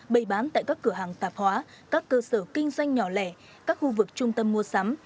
bày bán tại các cửa hàng tạp hóa các cơ sở kinh doanh nhỏ lẻ các khu vực trung tâm mua sắm